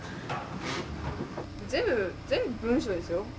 全部全部文章ですよ。